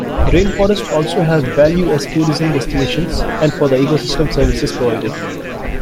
Rainforests also have value as tourism destinations and for the ecosystem services provided.